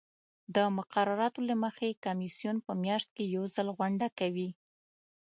د مقرراتو له مخې کمیسیون په میاشت کې یو ځل غونډه کوي.